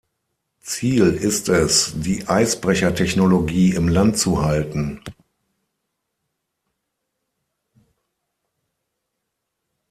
Ziel ist es, die Eisbrecher-Technologie im Land zu halten.